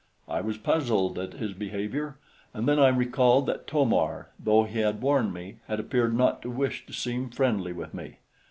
I was puzzled at his behavior, and then I recalled that To mar, though he had warned me, had appeared not to wish to seem friendly with me.